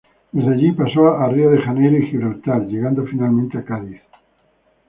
Desde allí pasó a Río de Janeiro y Gibraltar, llegando finalmente a Cádiz.